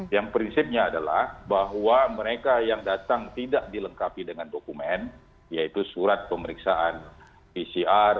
yang prinsipnya adalah bahwa mereka yang datang tidak dilengkapi dengan dokumen yaitu surat pemeriksaan pcr